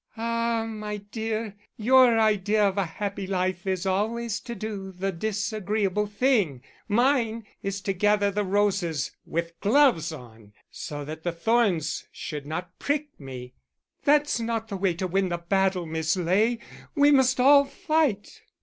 "Ah, my dear, your idea of a happy life is always to do the disagreeable thing: mine is to gather the roses with gloves on, so that the thorns should not prick me." "That's not the way to win the battle, Miss Ley. We must all fight."